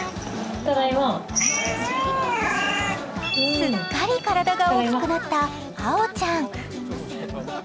すっかり体が大きくなったあおちゃん。